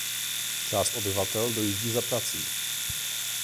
Část obyvatel dojíždí za prací.